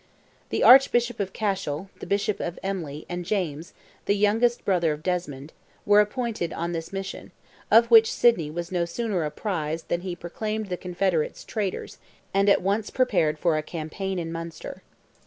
The Archbishop of Cashel, the Bishop of Emly, and James, the youngest brother of Desmond, were appointed on this mission, of which Sidney was no sooner apprised than he proclaimed the confederates traitors, and at once prepared for a campaign in Munster.